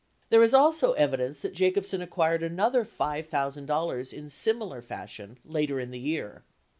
There is also evidence that Jacobsen acquired another $5,000 in similar fashion later in the year.